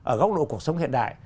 ở góc độ cuộc sống hiện đại